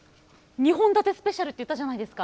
２本立てスペシャルって言ったじゃないですか。